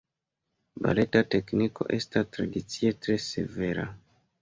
Baleta tekniko estas tradicie tre severa.